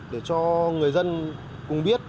để cho người dân cũng biết